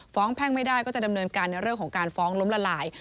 แพ่งไม่ได้ก็จะดำเนินการในเรื่องของการฟ้องล้มละลาย